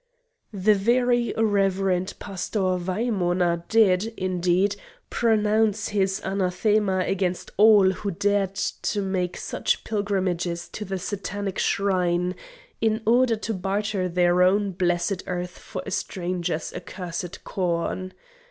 The Very Reverend Pastor Waimœner did, indeed, pronounce his anathema against all who dared to make such pilgrimages to the Satanic shrine in order to barter their own blessed earth for a stranger's accursed corn.